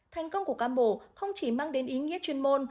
thành công của cam bộ không chỉ mang đến ý nghĩa chuyên môn